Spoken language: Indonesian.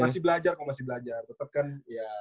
masih belajar kok masih belajar tetap kan ya